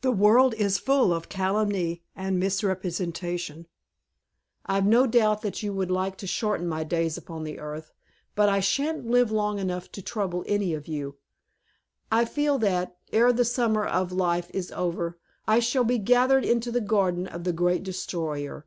"The world is full of calumny and misrepresentation. I've no doubt you would like to shorten my days upon the earth, but I sha'n't live long to trouble any of you. I feel that, ere the summer of life is over, I shall be gathered into the garden of the Great Destroyer."